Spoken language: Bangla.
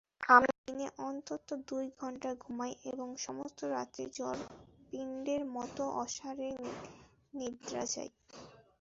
আমি দিনে অন্তত দু-ঘণ্টা ঘুমাই এবং সমস্ত রাত্রি জড়পিণ্ডের মত অসাড়ে নিদ্রা যাই।